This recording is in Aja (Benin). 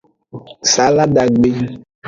Saladagbe.